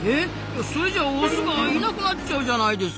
それじゃオスがいなくなっちゃうじゃないですか！